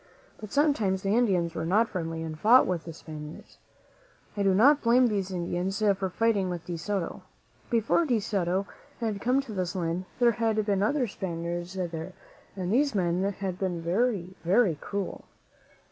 But sometimes the Indians were not friendly and fought with the Spaniards. I do not blame these Indians for fighting with De Soto. Before De Soto had come to this land, there had been other Spaniards there, and these men had been very, very cruel.